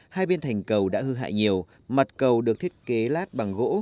hai bên thành cầu đã hư hại nhiều mặt cầu được thiết kế lát bằng gỗ